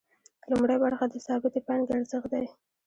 لومړۍ برخه د ثابتې پانګې ارزښت دی